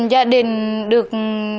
gia đình được